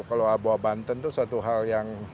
kalau abu abu banten itu suatu hal yang